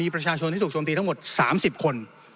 ประชาชนที่ถูกโจมตีทั้งหมด๓๐คน